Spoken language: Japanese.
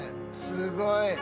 すごい。